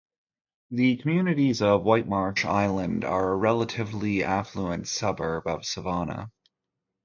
The communities of Whitemarsh Island are a relatively affluent suburb of Savannah.